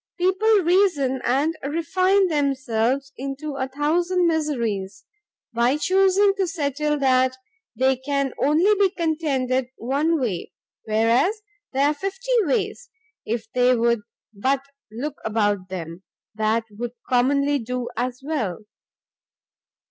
People reason and refine themselves into a thousand miseries, by chusing to settle that they can only be contented one way; whereas, there are fifty ways, if they would but look about them, that would commonly do as well."